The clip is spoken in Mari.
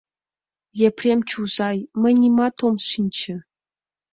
— Епрем чузай, мый нимат ом шинче.